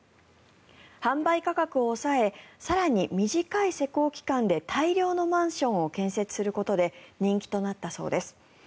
販売価格を抑え更に、短い施工期間で大量のマンションを建設することで人気となったそうです。